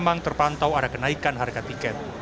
memang terpantau ada kenaikan harga tiket